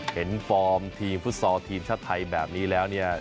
ฟอร์มทีมฟุตซอลทีมชาติไทยแบบนี้แล้วเนี่ย